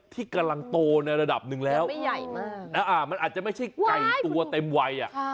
ที่กำลังโตในระดับหนึ่งแล้วมันอาจจะไม่ใช่ไก่ตัวเต็มวัยอ่ะ